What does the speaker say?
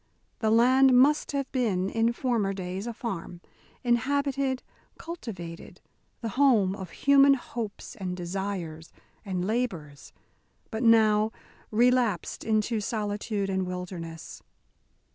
The land must have been, in former days, a farm, inhabited, cultivated, the home of human hopes and desires and labours, but now relapsed into solitude and wilderness.